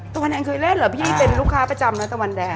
ตะวันแอนเคยเล่นเหรอพี่เป็นลูกค้าประจำนะตะวันแดง